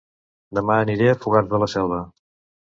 Dema aniré a Fogars de la Selva